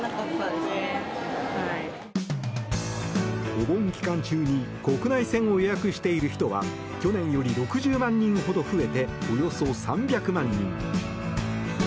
お盆期間中に国内線を予約している人は去年より６０万人ほど増えておよそ３００万人。